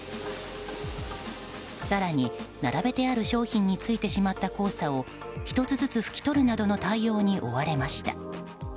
更に並べてある商品についてしまった黄砂を１つずつ拭き取るなどの対応に追われました。